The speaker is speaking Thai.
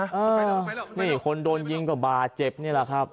เออนี่คนโดนยิงก็บาดเจ็บนี่แหละครับ